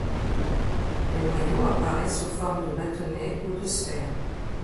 Le noyau apparaît sous forme de bâtonnet ou de sphère.